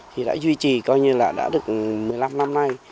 thì đã duy trì coi như là đã được một mươi năm năm nay